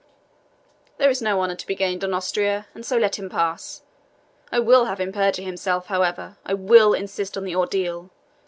There is no honour to be gained on Austria, and so let him pass. I will have him perjure himself, however; I will insist on the ordeal.